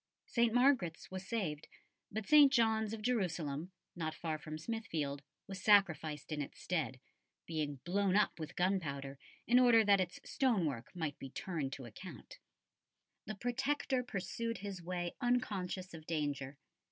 St. Margaret's was saved, but St. John's of Jerusalem, not far from Smithfield, was sacrificed in its stead, being blown up with gunpowder in order that its stone work might be turned to account. The Protector pursued his way unconscious of danger.